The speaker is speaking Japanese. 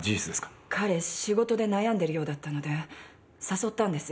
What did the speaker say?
彼仕事で悩んでるようだったので誘ったんです。